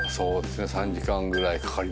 ３時間ぐらいかかりますね。